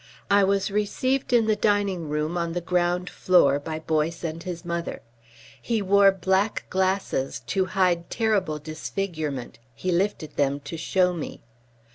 I was received in the dining room on the ground floor by Boyce and his mother. He wore black glasses to hide terrible disfigurement he lifted them to show me.